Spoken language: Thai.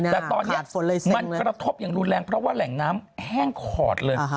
แต่ตอนนี้มันกระทบอย่างรุนแรงเพราะว่าแหล่งน้ำแห้งขอดเลย